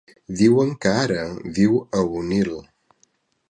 Diuen que ara viu a Onil.